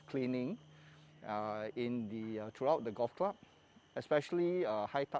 penyelamatan dan juga penyelamatan